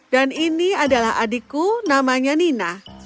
dan ini adalah adikku namanya nina